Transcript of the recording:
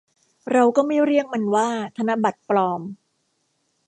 เราก็ไม่เรียกมันว่าธนบัตรปลอม